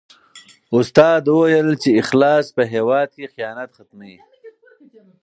استاد وویل چې اخلاص په هېواد کې خیانت ختموي.